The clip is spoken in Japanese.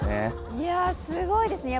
いやすごいですね